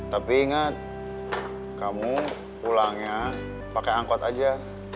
tapi ingat kamu pulangnya pakai angkot aja